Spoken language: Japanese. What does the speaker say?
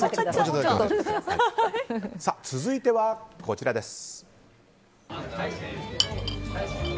続いては、こちらです。